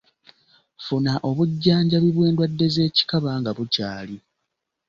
Funa obujjanjabi bw’endwadde z’ekikaba nga bukyali.